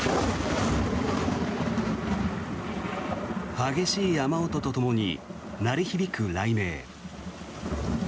激しい雨音とともに鳴り響く雷鳴。